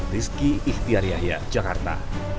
rizky ihtiariahia jakarta